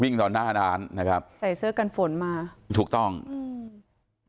ตอนหน้าร้านนะครับใส่เสื้อกันฝนมาถูกต้องอืม